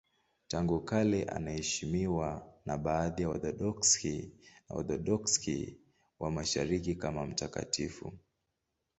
Tangu kale anaheshimiwa na baadhi ya Waorthodoksi na Waorthodoksi wa Mashariki kama mtakatifu.